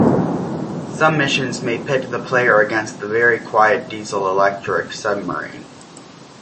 Some missions may pit the player against the very quiet diesel-electric submarine.